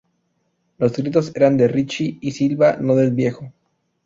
Los gritos eran de Ricci y Silva, no del viejo.